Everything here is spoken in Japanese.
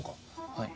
はい。